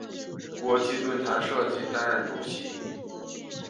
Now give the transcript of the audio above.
国际论坛设计担任主席。